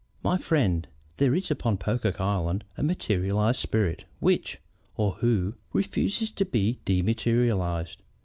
"My friend, there is upon Pocock Island a materialized spirit which (or who) refuses to be dematerialized.